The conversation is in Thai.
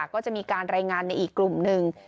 ก็จะมีการรายงานในอีกกลุ่มหนึ่ง